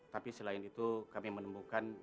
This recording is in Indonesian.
tapi selain itu kami menemukan